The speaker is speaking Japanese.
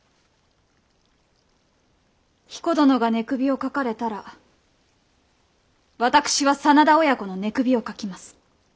彦殿が寝首をかかれたら私は真田親子の寝首をかきます。